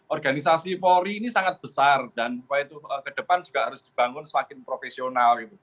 organisasi polri ini sangat besar dan ke depan juga harus dibangun semakin profesional